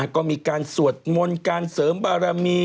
ก็มีการสวดมนต์การเสริมบารมี